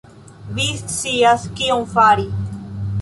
Vi scias kion fari